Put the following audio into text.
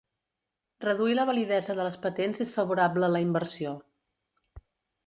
Reduir la validesa de les patents és favorable a la inversió.